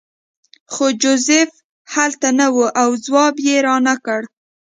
خو جوزف هلته نه و او ځواب یې رانکړ